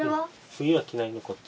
冬は着ないねこっち。